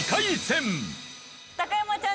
高山ちゃん